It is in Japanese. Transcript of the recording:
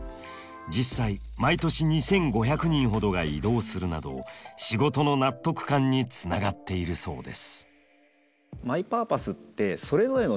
実際毎年２，５００人ほどが異動するなど仕事の納得感につながっているそうです。